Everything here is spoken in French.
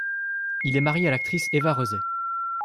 Il est marié à l'actrice Eva Röse.